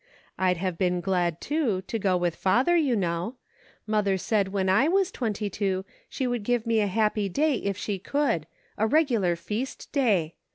I'd have been glad, too, to go with father, you know. Mother said when I was twenty two, she would give me a happy day if she could ; a regular feast day.